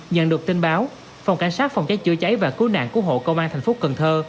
nhận được tin báo phòng cảnh sát phòng cháy chữa cháy và cứu nạn cứu hộ công an thành phố cần thơ